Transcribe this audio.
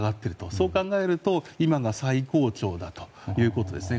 そう考えると今が最高潮だということですね。